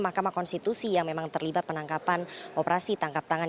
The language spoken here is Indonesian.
mahkamah konstitusi yang memang terlibat penangkapan operasi tangkap tangan